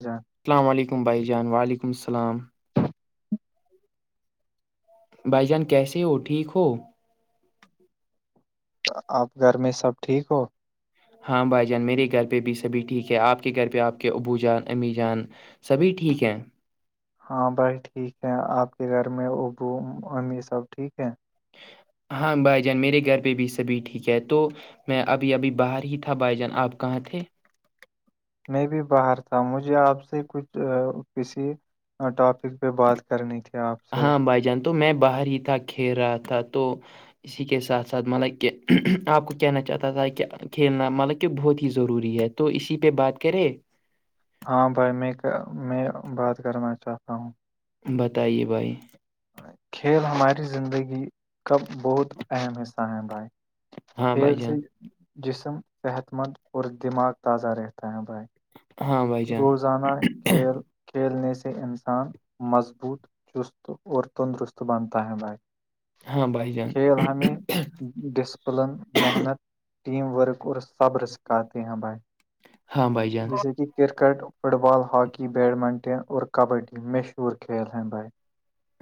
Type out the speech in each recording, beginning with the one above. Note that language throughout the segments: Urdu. جچا السلام علیکم بھائی جان و علیکم السلام بھائی جان کیسے ہو ٹھیک ہو آپ گھر میں سب ٹھیک ہو ہاں بھائی جان میرے گھر پہ بھی سبھی ٹھیک ہے آپ کے گھر پہ آپ کے ابو جان امی جان سبھی ٹھیک ہیں ہاں بائی ٹھیک ہے آپ کے گھر میں ابو امی سب ٹھیک ہے ہاں بھائی جان میرے گھر پہ بھی سبھی ٹھیک ہے تو میں ابھی ابھی باہر ہی تھا بھائی جان آپ کہاں تھے میں بھی باہر تھا مجھے آپ سے کچھ کسی ٹاپک پہ بات کرنی تھی آپ سے ہاں بھائی جان تو میں باہر ہی تھا کھیر رہا تھا تو اسی کے ساتھ ساتھ مطلب کہ آپ کو کہنا چاہتا تھا کہ کھیلنا مطلب کہ بہت ہی ضروری ہے تو اسی پہ بات کرے ہاں بھائی میں میں بات کرنا چاہتا ہوں بتائیے بھائی کھیل ہماری زندگی کا بہت اہم حصہ ہیں بھائی ہاں کھیل بھائی سے جان جسم صحت مند اور دماغ تازہ رہتا ہے بھائی ہاں بھائی جان روزانہ کھیل کھیلنے سے انسان مضبوط چست اور تندرست بنتا ہےائی ہاں بھائی جان کھیل ہمیں ڈسپلن محنت ٹیم ورک اور صبر سکھاتے ہیں بھائی ہاں بھائی جان جیسے کہ cricket football hockey badminton اور کبڈی مشہور کھیل ہند بائے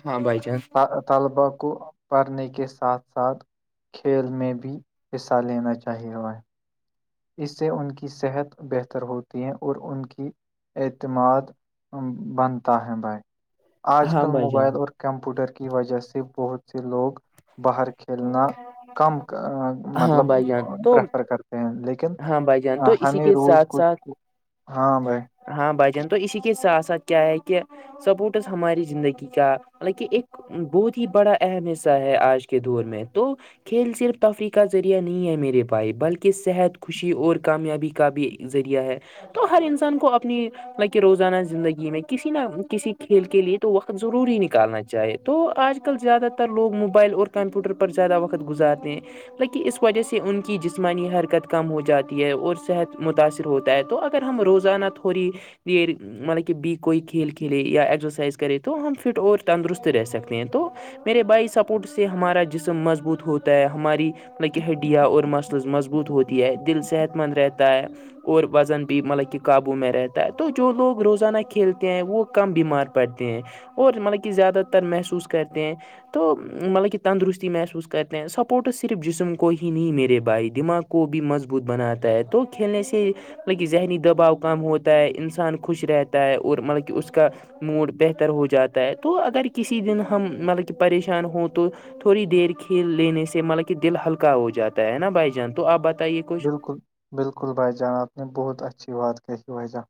ہاں بائی چانس طلبا کو پڑھنے کے ساتھ ساتھ کھیل میں بھی حصہ لینا چاہیےا ہے اس سے ان کی صحت بہتر ہوتی ہے اور ان کی اعتماد بنتا ہے بھائی آج ہاں کل بھائی جان موبائل اور کمپیوٹر کی وجہ سے بہت سے لوگ باہر کے کھیلنا کم ہاں مطلب بھائی جان تو پریفر کرتے ہیں لیکن ہاں بھائی جان تو اسی ہمیں کے روز ساتھ کچھ ساتھ ہاں بھائی ہاں بھائی جن تو اسی کے ساتھ ساتھ کیا ہے کہ سپورٹس ہماری زندگی کا مطل کہ ایک بہت ہی بڑا اہم حصہ ہے آج کے دور میں تو کھیل صرف تفریح کا ذریعہ نہیں ہے میرے بائی بلکہ صحت کو خوشی اور کامیابی کا بھی ذریعہ ہے تو ہر انسان کو اپنی لکہ روزانہ زندگی میں کسی نہ کسی کھیل کے لے تو وقت ضروری نکالنا چاہے تو آج کل زیادہ تر لوگ موبائل اور کمپیوٹر پر زیادہ وقت گزارتے ہیں لیکن اس وجہ سے ان کی جسمانی حرکت کم ہو جاتی ہے اور صحت متاثر ہوتا ہے تو اگر ہم روزانہ تھوڑی دیر مطلب کہ بی کوئی کھیل کھیلے یا ایکزرسائز کرے تو ہم فٹ اور تندرست رہ سکتے ہیں تو میرے بائی سپورٹ سے ہمارا جسم مضبوط ہوتا ہے ہماری لکہ ہڈیا اور مسلز مضبوط ہوتی ہے دل صحت مند رہتا ہے اور وزن بھی مطلب کہ قابو میں رہتا ہے تو جو لوگ روزانہ کھیلتے ہیں وہ کم بیمار پڑھتے ہیں اور مطلب کہ زیادہ تر محسوس کرتے ہیں تو مطلب کہ تندرستی محسوس کرتے ہیں سپورٹس صرف جسم کو ہی نہیں میرے بھائی دماغ کو کو بھی مضبوط بناتا ہے تو کھیلنے سے مطلب کہ ذہنی دباؤ کم ہوتا ہے انسان خوش رہتا ہے اور مطلب کہ اس کا موڈ بہتر ہو جاتا ہے تو اگر کسی دن ہم مطلب کہ پریشان ہوں تو تھوڑی دیر کھیل لینے سے مطلب کہ دل ہلکا ہو جاتا ہے نا بھائی جان تو آپ بتائیے کہ بالکل بالکل بھائی جان آپ نے بہت اچھی بات کہی بھائی جان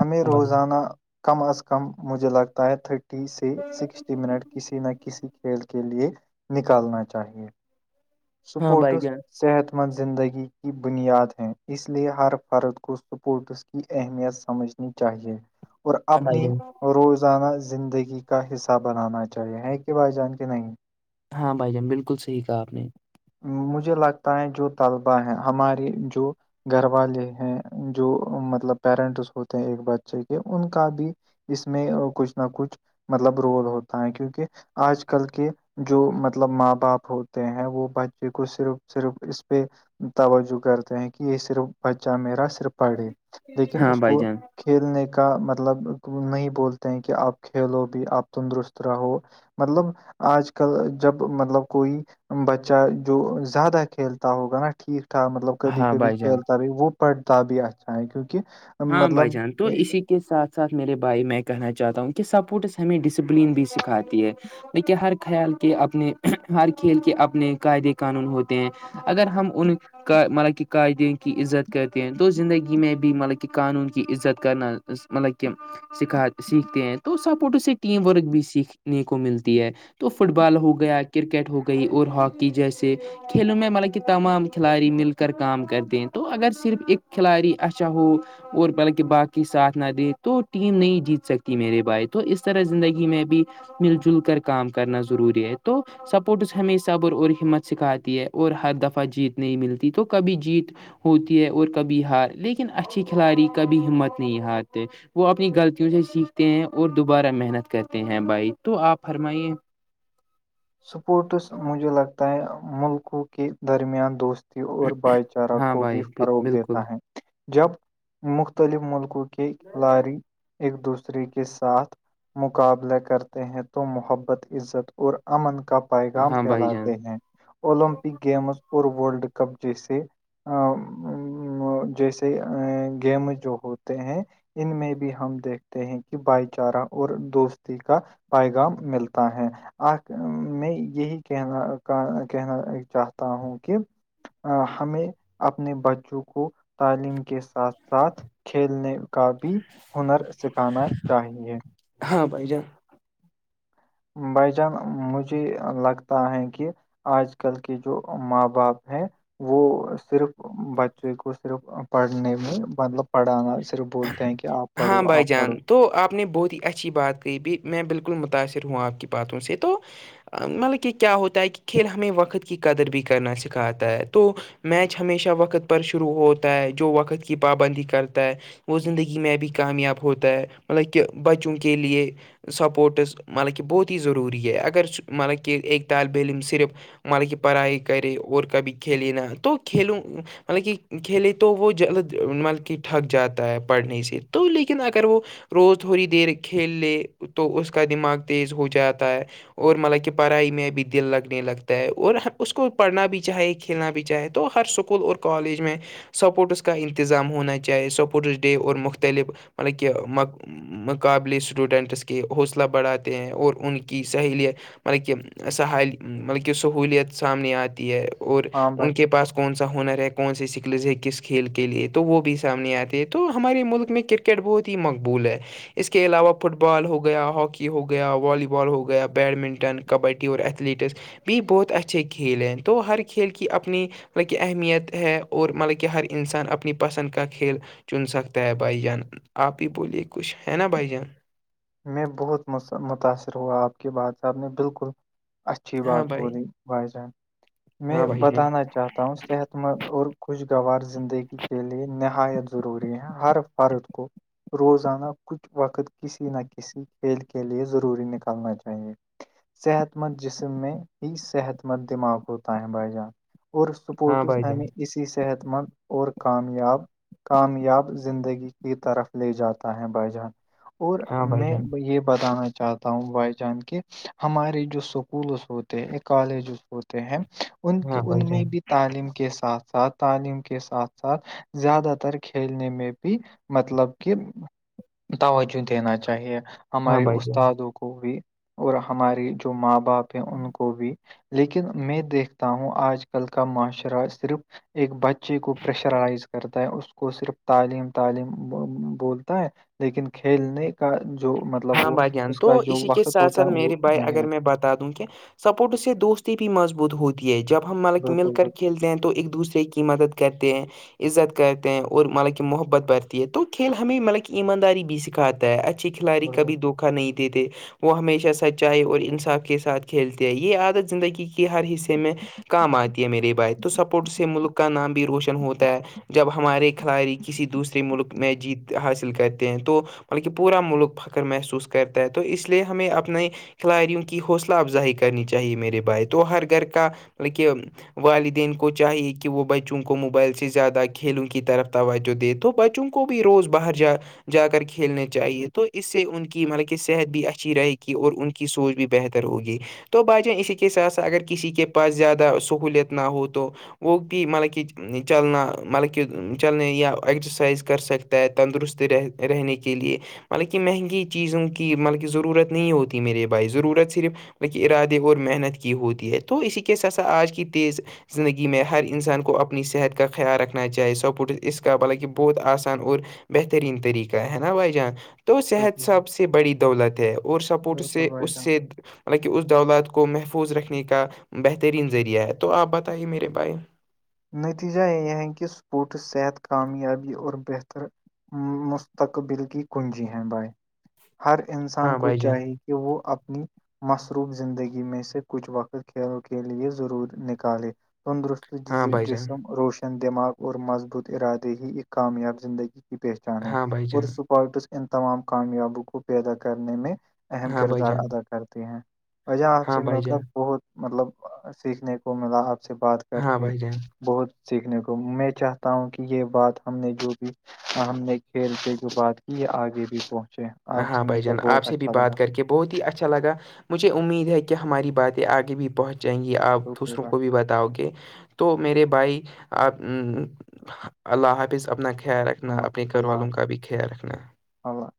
ہمیں ہاں بھائی روزانہ کم از کم مجھے لگتا ہے تھرٹی سے سکسٹی منٹ کسی نہ کسی کھیل کے لیے نکالنا چاہیے ہاں بھائی سپورٹس جان صحت مند زندگی کی بنیاد ہیں اس لیے ہر فرد کو سپورٹس کی اہمیت سمجھنی چاہیے اور ہاں بھائی اپنی جان روزانہ زندگی کا حصہ بنانا چاہیے ہے کہ بھائی جان کے نہیں ہاں بھائی جان بالکل صحیح کہا آپ نے مجھے لگتا ہے جو طلبا ہے ہماریے جو گھر والے ہیں جو مطلب پیرنٹس ہوتے ہیں ایک بچے کے ان کا بھی اس میں کچھ نہ کچھ مطلب رول ہوتا ہے کیونکہ آج کل کے جو مطلب ماں باپ ہوتے ہیں وہ ب چ کو صرف صرف اس پہ توجہ کرتے ہیں کہ یہ صرف بچہ میرا صرف پڑھے لیکن ہاں اس بھائی کو جان کھیلنے کا مطلب نہیں بولتے ہیں کہ آپ کھیلو بھی آپ تندرست رہو مطلب آج کل جب مطلب کوئی بچہ جو زیادہ کھیلتا ہوگا نا ٹھیک ٹھاک مطلب کبھی ہاں کبھی بھائی جان کھیلتا بھی وہ پڑھتا بھی اچھا ہے کیونکہ ہاں بھائی مطلب جان تو اسی کے ساتھ ساتھ میرے بھائی میں کہنا چاہتا ہوں کہ سپورٹس ہمیں ڈسپلن بھی سکھاتی ہے دیکے ہر خیال کے اپنے ہر کھیل کے اپنے قعدے قانون ہوتے ہیں اگر ہم ان کا مطلب کہ قعدین کی عزت کرتے ہیں تو زندگی میں بھی مطلب کہ کہ قانون کی عزت کرنا مطلب کہ سکھا سیکھتے ہیں تو سپورٹوں سے ٹیم ورک بھی سیکھنے کو ملتی ہے تو فٹ بال ہو گیا کرکٹ ہو گئی اور ہاکی جیسے کھیلوں میں مطلب کہ تمام کھلاڑی مل کر کام کرتے ہیں تو اگر صرف ایک کھلاڑی اچھا ہو اور بلکہ باقی ساتھ نہ دے تو ٹیم نہیں جیت سکتی میرے بھائی تو اس طرح زندگی میں بھی مل جل کر کام کرنا ضروری ہے تو سپورٹس ہمیشہبر اور ہمت سکھاتی ہے اور ہر دفعہ جیت نہیں ملتی تو کبھی جیت ہوتی ہے اور کبھی ہار لیکن اچھے کھلاڑی کبھی ہمت نہیں ہارتے وہ اپنی غلطیوں سے سیکھتے ہیں اور دوبارہ محنت کرتے ہیں بھائی تو آپ فرمائیے سپورٹس مجھے لگتا ہے ملکوں کے درمیان دوست اور بھائی چارہ ہاں کو بھی بھائی فروغ بالکل دیتا ہے جب مختلف ملکوں کے کھلاڑی ایک دوسرے ری کے ساتھ مقابلہ کرتے ہیں تو محبت عزت اور امن کا پیغام ہاں بھائی جان پھیلاتے ہیں اولمپک گیمز اور ورلڈ کپ جیسے جیسے گیم جو ہوتے ہیں ان میں بھی ہم دیکھتے ہیں کہ بھائی چارہ اور دوستی کا پیغام ملتا ہے آ میں یہی کہنا کہنا چاہتا ہوں کہ ہمیں اپنے بچوں کو تعلیم کے ساتھ ساتھ کھیلنے کا بھی ہنر سکھانا چاہیے ہاں بھائی جان بھ جان مجھے لگتا ہے کہ آج کل کے جو ماں باپ ہیں وہ صرف بچے کو صرف پڑھنے میں مطلب پڑھانا صرف بولتے ہیں کہ آپ ہاں پڑھو بھائی آپ پڑھو جان تو آپ نے بہت ہی اچھی بات گئی بھی میں بالکل متاثر ہوں آپ کی باتوں سے تو مطلب کہ کیا ہوتا ہے کہ کھیل ہمیں وقت کی قدر بھی کرنا سکھاتا ہے تو میچ ہمیشہ وقت پر شروع ہوتا ہے جو وقت کی پابندی کرتا ہے وہ زندگی میں بھی کامیاب ہوتا ہے مطلب کہ بچوں کے لیے سپورٹس مطلب کہ بہت ہی ضروری ہے اگر مطلب کہ ایک ایک طالبہ علم صرف ملا کی پڑھائی کرے اور کبھی کھیلے نہا تو کھیلوں مطلب کہ کھیلے تو وہ مطب کی ٹھک جات ہے پڑھنے سے تو لیکن اگر وہ روز تھوڑی دیر کھیل لے تو اس کا دماغ تیز ہو جاتا ہے اور مطلب کہ پڑھائی میں بھی دل لگنے لگتا ہے اور اس کو پڑھنا بھی چاہے کھیلنا بھی چاہے تو ہر سک اسکول اور کالج میں سپورٹس کا انتظام ہونا چاہے س اسپوٹس ڈے اور مختلف مطلب کہ مقابلے اسٹوڈنٹس کے حوصلہ بڑھاتے ہیں اور ان کی سہیلیت مطلب کہ سح مطلب کہ سہولیت سامنے آتی ہے اور ہاں ان بھائی کے پاس کون سا ہنر ہے کون س سکلز ہے کس کھیل کے لیے تو وہ بھی سامنے آتے تو ہمارے ملک میں کرکٹ بہت ہی مقبول ہے اس کے علاوہ فٹ بال ہو گیا ہاکی ہو گیا والی بال ہو گیا بیڈمنٹن کبڈی اور ایتھلیٹکس بھی بہت اچھے کھیل ہیں تو ہر کھیل کی اپنی مطلب کہ اہمیت ہے اور مطلب کہ ہر انسان اپنی پسند کا کھیل چن سکتا ہے بھائی جان آپ ہی بولیے کچھ ہے نا بھائی جان میں بہت متاثر ہوا آپ کے باد صاہحب نے بالکل اچھی ہاں بات بھائی بولی بھائی جان میں ہاں بھائی جان بتانا چاہتا ؤ صحت مند اور خوشگوار زندگی کے لیے نہایت ضروری ہے ہر فرد کو روزانہ کچھ وقت کسی نہ کسی کھیل کے لئے ضروری نکلنا چاہیے صحت مند جسم میں ہی صحت مند دماغ ہوتا ہے بھائی جان اور ہاں سپورٹس بھائی جان ہمیں اسی صحت مند اور کامیاب کامیاب زندگی کی طرف لے جاتا ہے بائی جان اور ہاں بھائی میں جان یہ بتانا چاہتا ہوں تا ہ بھائی جان کے ہمارے جو سکولز ہوتے ہیں کالجز ہوتے ہیں ان ہاں بھائی ان میں جان بھی تعلیم کے ساتھ ساتھ تعلیم کے ساتھ ساتھ زیادہ تر کھیلنے میں بھی مطلب کہ توجہ دینا چاہیے ہاں ہمارے بھائی جان استادوں کو بھی اور ہماری جو ماں باپ ان کو بھی لیکن میں دیکھتا ہوں آج کل کا معاشرہ صرف ایک بچے کو پریشرائز کرتا ہے اس کو صرف تعلیم تعلیم بولتا ہے لیکن کھیلنے کا جو مطلب ہاں وہ بھئی جان اس تو کا جو اسی کے وقت ساتھ ہوتا ہے ساتھ وہ میری بھائی نہیں اگر رکھ میں بتا دوں کہ سپورٹ سے دوستی بھی مضبوط ہوتی ہے جب ہم ملک مل بالکل کر کھیلتے ہیں تو ایک دوسرے کی کی مدد کرتے ہیں عزت کرتے ہیں اور مطلب کہ محبت برتی ہے تو کھیل ہمیں مطلب کہ ایمانداری بھی سکھاتا ہے اچھیے کھلااتی بالکل کبھی دھوکا نہیں دیتےے وہ ہمیشہ سچائی اور انصاف کے ساتھ کھیلتے ہیں یہ عادت زندگی کے ہر حصے میں کام آتی ہے میرے بائید تو سپورٹس سے ملک کا نام بھی روشن ہوتا ہے جب ہمارے کھلاڑی کسی دوسرے ملک میں جیت حاصل کرتے ہیں تو مطلب کہ پورا ملک فخر محسوس کرتا ہے تو اس لیے ہمیں اپنے کھلاڑیوں کی حوصلہ افزائی کرنی چاہیے میرے بھائی تو ہر گھر کا مطل کہ والدین کو چاہیے کہ وہ بچوں کو موبائل سے زیادہ کھیلوں کی طرف توجہ دے تو بچوں کو کو بھی روز باہر جا جا کر کھیلنے چاہیے تو اس سے ان کی مطلب کہ صحت بھی اچھی رہے گی اور ان کی سوچ بھی بہتر ہوگی تو بھائی جان اسی کے ساتھ ساتھ اگر کسی کے پاس زیادہ سہولیت نہ ہو تو وہگ بھی مطلب کچ چلنا مطلب کہ چلنے یا ایکزرسائز کر سکتا ہے تندرستی رہ رہنے کے لیے مطلب کہ مہنگی چیزوں کی مطلب کہ ضرورت ہوتی میرے بھائی ضرورت صرف ل ارادے اور محنت کی ہوتی ہے تو اسی کے سسا آج کی تیز زندگی میں ہر انسان کو اپنی صحت کا خیال رکھنا چاہے سپورٹس اس کا بانکہ بہت آسان اور بہترین طریقہ ہے نا بھائی جان تو صحت بالکل سب سے بڑی دولت ہے اور سپورٹ بالکل سے بھائی اس جان سے مطلب کہ اس دولت کو محفوظ رکھنے کا بہترین ذریعہ ہے تو آپ بتائیے میرے بائے نتیجہ یہ ہے کہ اسپورٹس صحت کامیابی اور بہتر مستقبل کی کنجی ہیں بائے ہر انسان ہاں کو بھائی جان چاہی کہ وہ اپنی مصروف زندگی میں سے کچھ وقت کھیلوں کے لے ضرور نکالے تندرست ہاں بھائی جان جسم روشن دماغ اور مضبوط ارادے ہی ایک کامیاب زندگی پہچان ہے ہاں بھائی اور جان سپارٹس ان تمام کامیابوں کو پیدا کرنے میں اہم ہاں بھائی کردار جان ادا کرتی ہیں وجاں آپ ہاں سے بھائی مل کر جان بہت مطلب سیکھنے کو ملا آپ سے بات کر ہاں کے بھائی جان بہت سیکھنے کو میں چاہتا ہوں کہ یہ بات ہم نے جو بھی ہم نے کھیل سے جو بات کی یہ آگے بھی پہنچے ہیں ہاں بھائی جان آپ سے بھی بات کر کے بہت ہی اچھا لا مجھے امید ہے کہ ہماری باتیں آگے بھی پہنچ جاہیں گی آپ بالکل دوسروں بھائی، کو بھی بتاؤ گے تو ميے بھائی آ اللہ حافظ اپنا خیال رکھ رکھنا اپنے گھر والوں کا بھی خیال رکھنا او